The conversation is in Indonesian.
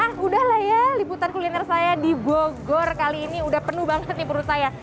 hah udah lah ya liputan kuliner saya di bogor kali ini udah penuh banget nih purut saya